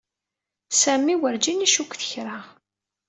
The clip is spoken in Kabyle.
Sami werǧin icukket kra.